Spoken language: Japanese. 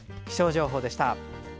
気象情報でした。